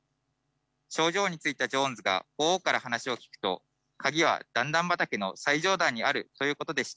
頂上に着いたジョーンズが鳳凰から話を聞くと鍵は段々畑の最上段にあるということでした。